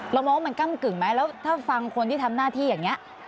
มองว่ามันก้ำกึ่งไหมแล้วถ้าฟังคนที่ทำหน้าที่อย่างนี้